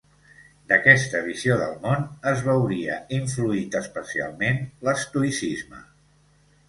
D'aquesta visió del món, es veuria influït especialment l'estoïcisme.